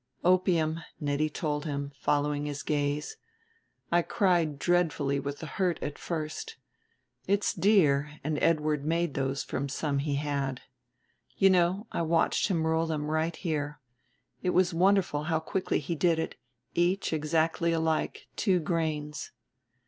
"Opium," Nettie told him, following his gaze; "I cried dreadfully with the hurt at first. It's dear, and Edward made those from some he had. You know, I watched him roll them right here; it was wonderful how quickly he did it, each exactly alike, two grains."